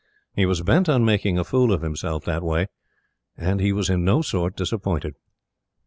He was bent on making a fool of himself that way; and he was in no sort disappointed.